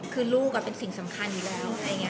คือลูกเป็นสิ่งสำคัญอยู่แล้ว